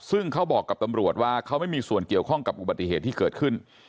ซึ่งเขาบอกกับตำรวจว่าเขาไม่มีส่วนเกี่ยวข้องกับอุบัติเหตุที่เกิดขึ้น